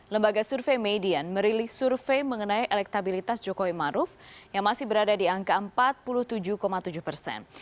lembaga survei median merilis survei mengenai elektabilitas jokowi maruf yang masih berada di angka empat puluh tujuh tujuh persen